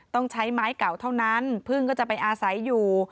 ต้องใช้ไม้เก่าเท่านั้นพึ่งก็จะไปอาศัยอยู่